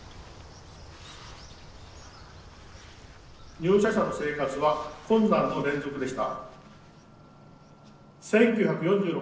「入所者の生活は困難の連続でした」。